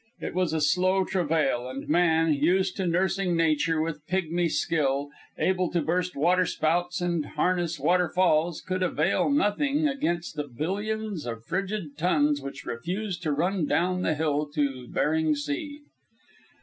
It was a slow travail, and man, used to nursing nature with pigmy skill, able to burst waterspouts and harness waterfalls, could avail nothing against the billions of frigid tons which refused to run down the hill to Bering Sea.